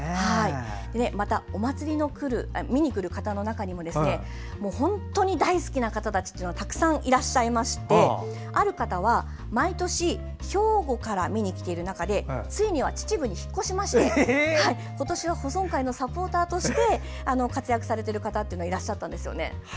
また、お祭りに来る方の中にも本当に大好きという方がたくさんいらっしゃいましてある方は、毎年兵庫から見に来ている中でついには秩父に引っ越しをしまして今年は保存会のサポーターとして活躍されている方もいらっしゃったんです。